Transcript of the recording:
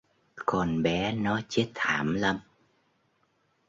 Còn bé nó chết thảm lắm